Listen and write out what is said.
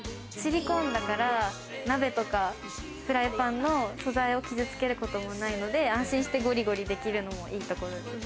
シリコーンだから、鍋とかフライパンの素材を傷つけることもないので、安心してゴリゴリできるのもいいところ。